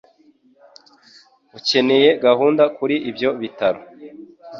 Ukeneye gahunda kuri ibyo bitaro.